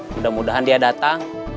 mudah mudahan dia datang